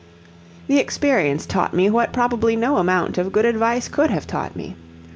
The experience taught me what probably no amount of good advice could have taught me.